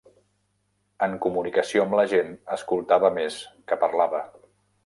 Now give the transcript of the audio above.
En comunicació amb la gent escoltava més que parlava.